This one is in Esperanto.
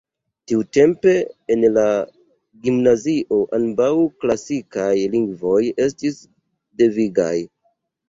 Tiutempe en la gimnazio ambaŭ klasikaj lingvoj estis devigaj.